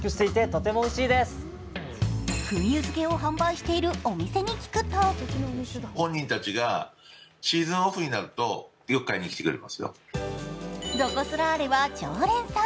燻油漬を販売しているお店に聞くとロコ・ソラーレは常連さん。